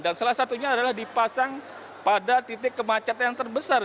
dan salah satunya adalah dipasang pada titik kemacetnya yang terbesar